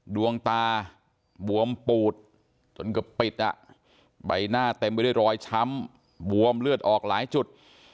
ดวงตาบวมปูดจนเกือบปิดอ่ะใบหน้าเต็มไปด้วยรอยช้ำบวมเลือดออกหลายจุด